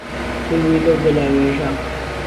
وهی وهی لهو گهلاوێژه